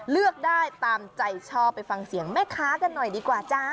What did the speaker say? เลือกได้ตามใจชอบไปฟังเสียงแม่ค้ากันหน่อยดีกว่าจ้า